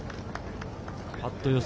パット予測